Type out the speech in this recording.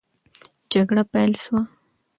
جګړه پیل سوه.